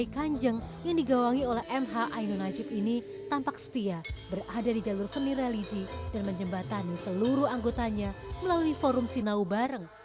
kadang di sini ngaji kadang di sana nyuri ayam